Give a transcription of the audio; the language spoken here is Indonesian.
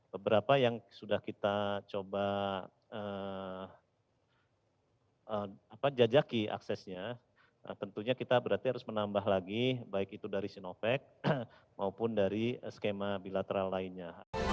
beberapa yang sudah kita coba jajaki aksesnya tentunya kita berarti harus menambah lagi baik itu dari sinovac maupun dari skema bilateral lainnya